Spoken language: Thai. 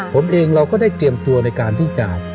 ผมเองเราก็ได้เตรียมตัวในการที่จะ